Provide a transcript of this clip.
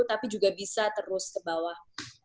tapi juga bisa terus ke bawah